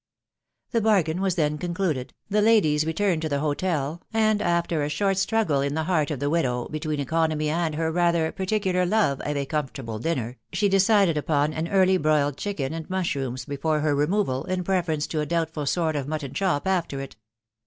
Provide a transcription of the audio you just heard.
The bargain was then concluded, foe\u&^x«ta»ofck*»,*D 102 THE WIDOW BtJUBNABT^ hotel, and* after a short struggle in the heart .of the widow between economy and her rather particular lore of * .atmfinaV able dinner, she decided (upon .an early broiled chiokso and mushrooms before her removal, in preference to adotfrlfitl of muttoorchop after it.